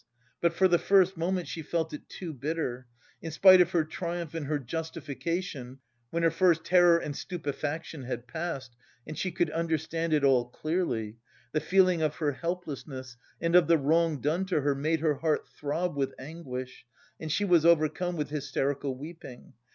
But for the first minute she felt it too bitter. In spite of her triumph and her justification when her first terror and stupefaction had passed and she could understand it all clearly the feeling of her helplessness and of the wrong done to her made her heart throb with anguish and she was overcome with hysterical weeping.